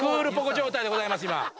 状態でございます今。